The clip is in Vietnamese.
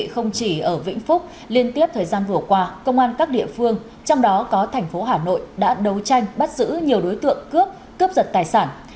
không chỉ ở vĩnh phúc liên tiếp thời gian vừa qua công an các địa phương trong đó có thành phố hà nội đã đấu tranh bắt giữ nhiều đối tượng cướp cướp giật tài sản